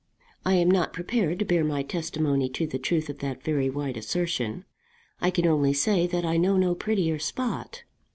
I am not prepared to bear my testimony to the truth of that very wide assertion. I can only say that I know no prettier spot.